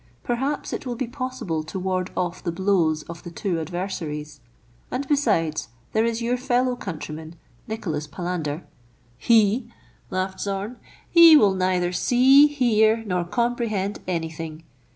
Perhaps it will be possible to ward off the blows of the two adversaries ; and besides there is your fellow countryman, Nicholas Palander "" He !" laughed Zorn, "he will neither see, hear, nor com prehend any thing